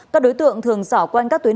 các đối tượng thường xảo quanh các tuyển